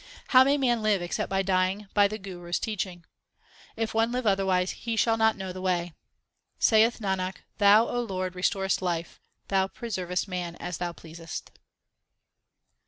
How may man live except by dying by the Guru s teaching ? If one live otherwise, he shall not know the way. Saith Nanak, Thou, O Lord, restorest life; Thou pre servest man as Thou pleasest.